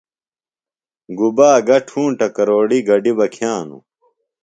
گُبا گہ ٹُھونٹہ کروڑیۡ گڈیۡ بہ کِھئانوۡ